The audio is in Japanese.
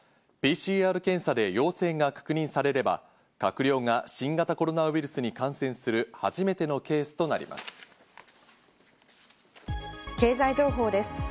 ＰＣＲ検査で陽性が確認されれば、閣僚が新型コロナウイルスに感染する初めてのケースとなります。